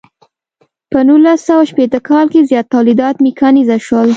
په نولس سوه شپیته کال کې زیات تولیدات میکانیزه شول.